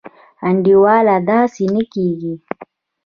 انډيوالي داسي نه کيږي.